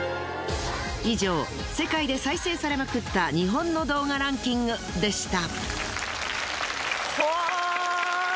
以上世界で再生されまくった日本の動画ランキングでした。